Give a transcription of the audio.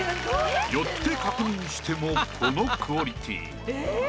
寄って確認してもこのクオリティー。